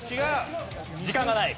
時間がない。